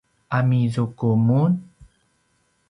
amizuku mun?